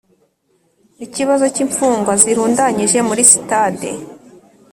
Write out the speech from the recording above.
ikibazo cy'imfungwa zirundanyije muri sitade